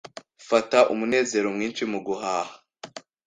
Fata umunezero mwinshi mu guhaha